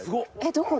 どこ？